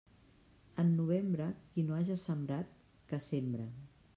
En novembre, qui no haja sembrat, que sembre.